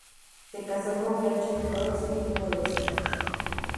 Se casó con Blanche Brooks y tuvo dos hijas.